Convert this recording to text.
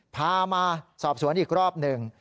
พามาสอบสวนอีกรอบหนึ่ง